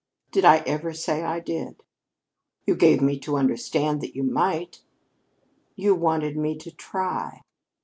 "Did I ever say I did?" "You gave me to understand that you might." "You wanted me to try."